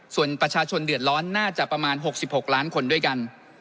ส่วนประชาชนเดือดร้อนน่าจะประมาณ๖๖ล้านคนด้วยกัน